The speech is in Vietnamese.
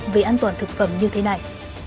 về an toàn thực phẩm như thế này